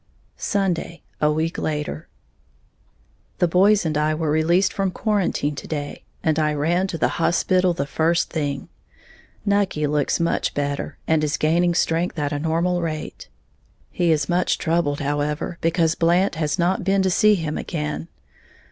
Sunday, a week later. The boys and I were released from quarantine to day, and I ran to the hospital the first thing. Nucky looks much better, and is gaining strength at a normal rate. He is much troubled, however, because Blant has not been to see him again.